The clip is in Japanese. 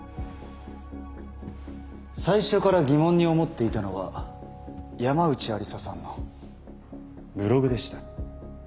最初から疑問に思っていたのは山内愛理沙さんのブログでした。